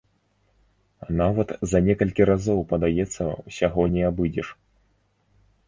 Нават за некалькі разоў, падаецца, усяго не абыдзеш.